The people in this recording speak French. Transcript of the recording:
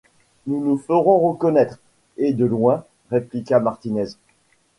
Nous nous ferons reconnaître, et de loin, répliqua Martinez